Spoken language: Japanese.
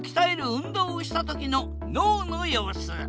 運動をした時の脳の様子。